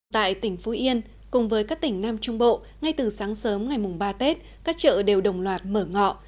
tại tỉnh phú yên cùng với các tỉnh nam trung bộ ngay từ sáng sớm ngày mùng ba tết các chợ đều đồng loạt mở ngọ